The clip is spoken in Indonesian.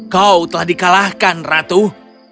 kau telah dikalahkan ratu